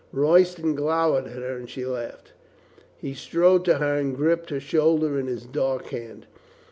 Royston glowered at her and she laughed. He strode to her and gripped her shoulder in his dark hand.